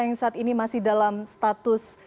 yang saat ini masih dalam status